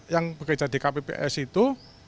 yang bekerja di kpps itu